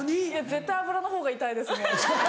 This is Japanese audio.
絶対油のほうが痛いですもん。